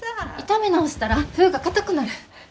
炒め直したら麩がかたくなる。